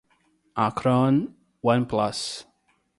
Acron, One Plus